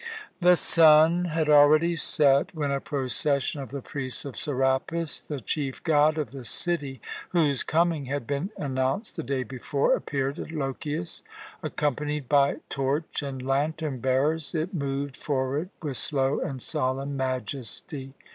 The sun had already set, when a procession of the priests of Serapis, the chief god of the city, whose coming had been announced the day before, appeared at Lochias. Accompanied by torch and lantern bearers, it moved forward with slow and solemn majesty.